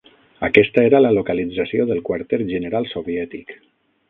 Aquesta era la localització del quarter general soviètic.